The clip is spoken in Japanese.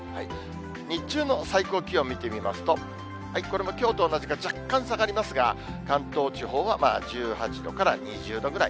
日中の最高気温を見てみますと、これもきょうと同じか、若干下がりますが、関東地方は１８度から２０度ぐらい。